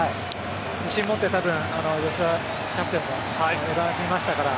自信持って吉田キャプテンも選びましたから。